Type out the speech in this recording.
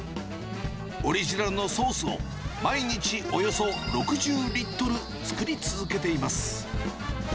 オリジナルのソースを毎日およそ６０リットル作り続けています。